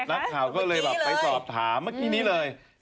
นักข่าวก็เลยแบบไปสอบถามเมื่อกี้นี้เลย